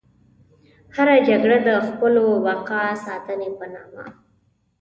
هره جګړه د خپلو بقا ساتنې په نامه.